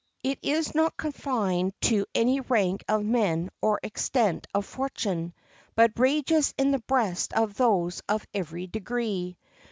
It is not confined to any rank of men or extent of fortune, but rages in the breast of those of every degree.